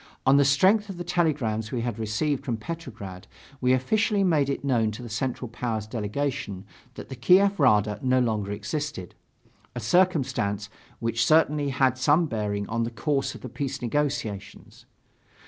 On the strength of the telegrams we had received from Petrograd, we officially made it known to the Central Powers' delegation that the Kiev Rada no longer existed, a circumstance which certainly had some bearing on the course of the peace negotiations.